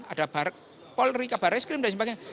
ada polri kabar eskrim dan sebagainya